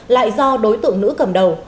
lại do đối tượng nữ cầm đầu